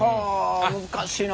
難しいな。